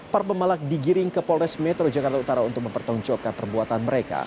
para pemalak digiring ke polres metro jakarta utara untuk mempertanggungjawabkan perbuatan mereka